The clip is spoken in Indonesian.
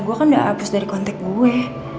gue kan udah abis dari kontek gue